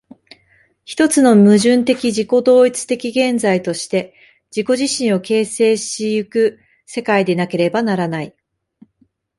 一つの矛盾的自己同一的現在として自己自身を形成し行く世界でなければならない。